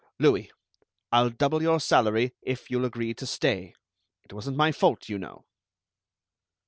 Louis, I'll double your salary if you'll agree to stay. It wasn't my fault, you know."